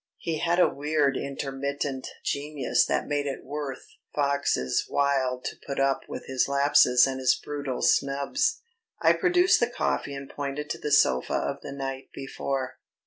He had a weird intermittent genius that made it worth Fox's while to put up with his lapses and his brutal snubs. I produced the coffee and pointed to the sofa of the night before.